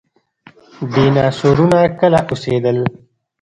ډیناسورونه کله اوسیدل؟